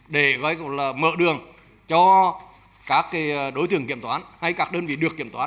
để mở đường cho các đối tượng kiểm toán hay các đơn vị được kiểm toán